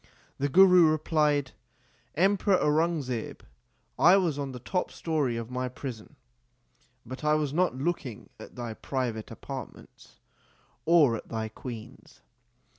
The Guru replied, Em peror Aurangzeb, I was on the top story of my prison but I was not looking at thy private apart ments or at thy queens.